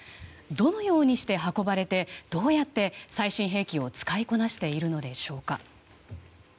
どのようにして運ばれてどうやって最新兵器を使いこなしているのでしょうか。